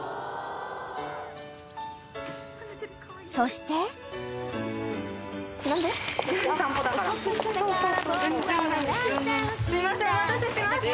［そして］すいませんお待たせしました。